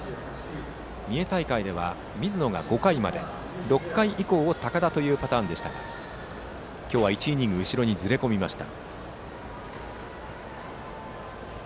三重大会では、水野が５回まで６回以降を高田というパターンでしたが今日は１イニング後ろにずれ込みました。